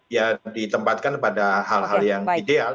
ya ditempatkan pada hal hal yang ideal